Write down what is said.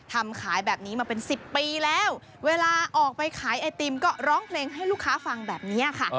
ทำขายแบบนี้มาเป็น๑๐ปีแล้วเวลาออกไปขายไอติมก็ร้องเพลงให้ลูกค้าฟังแบบนี้ค่ะ